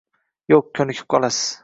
- Yo'q, ko'nikib qolasiz!